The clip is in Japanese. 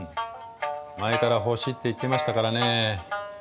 前から「欲しい」って言ってましたからね。